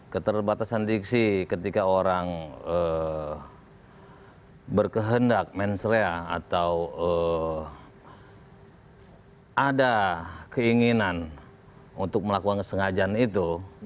keterbatasan diksi ketika orang berkehendak mensrea atau ada keinginan untuk melakukan kesengajaan itu